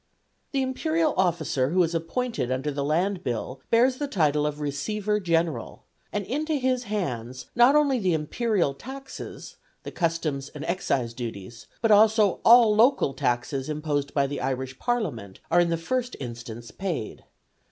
The imperial officer who is appointed under the Land Bill bears the title of Receiver General, and into his hands not only the imperial taxes (the customs and excise duties), but also all local taxes imposed by the Irish Parliament are in the first instance paid.